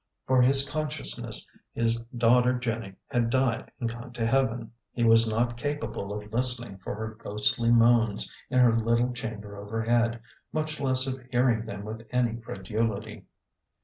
For his consciousness his daughter Jenny had died and gone to heaven ; he was not capable of listening for her ghostly moans in her little chamber overhead, much less of hearing them with any credulity.